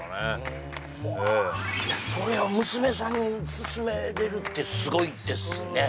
うーんええそれを娘さんに勧められるってすごいですね